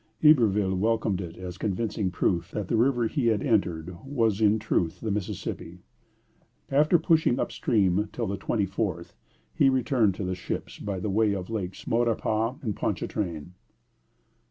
Iberville welcomed it as convincing proof that the river he had entered was in truth the Mississippi. After pushing up the stream till the twenty fourth, he returned to the ships by way of lakes Maurepas and Ponchartrain.